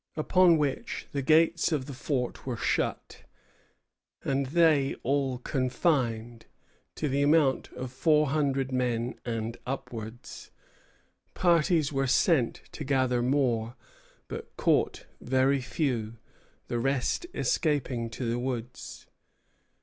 Upon which the gates of the fort were shut, and they all confined, to the amount of four hundred men and upwards." Parties were sent to gather more, but caught very few, the rest escaping to the woods.